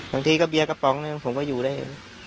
บางทีก็เบียร์กระป๋องหนึ่งผมก็อยู่ได้